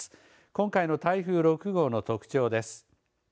今回の台風６号の特徴です。